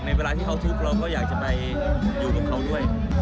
เวลาที่เขาทุกข์เราก็อยากจะไปอยู่กับเขาด้วย